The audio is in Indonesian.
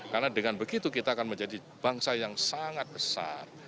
karena dengan begitu kita akan menjadi bangsa yang sangat besar